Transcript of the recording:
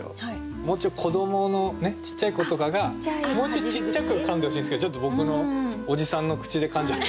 もうちょい子どものちっちゃい子とかがもうちょいちっちゃくかんでほしいんですけどちょっと僕のおじさんの口でかんじゃったんで。